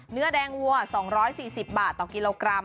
เนื้อแดงวัว๒๔๐บาทต่อกิโลกรัม